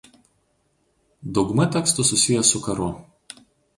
Dauguma tekstų susiję su karu.